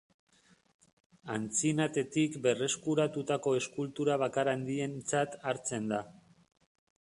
Antzinatetik berreskuratutako eskultura bakar handientzat hartzen da.